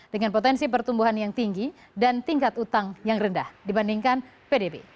dengan potensi pertumbuhan yang tinggi dan tingkat utang yang rendah dibandingkan pdb